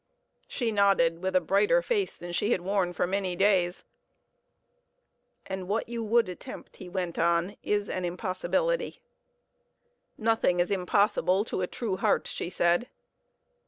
She nodded, with a brighter face than she had worn for many days. "And what you would attempt," he went on, "is an impossibility." "Nothing is impossible to a true heart," she said.